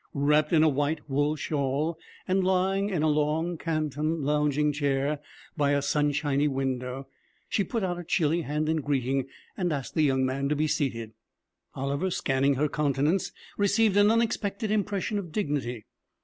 Wrapped in a white wool shawl and lying in a long Canton lounging chair by a sunshiny window, she put out a chilly hand in greeting, and asked the young man to be seated. Oliver, scanning her countenance, received an unexpected impression of dignity.